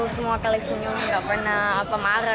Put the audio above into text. semua kali senyum nggak pernah marah